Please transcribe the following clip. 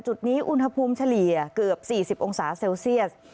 จุดนี้อุณหภูมิเฉลี่ยเกือบ๔๐องศาเซลเซียส